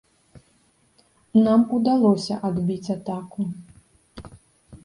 Нам удалося адбіць атаку.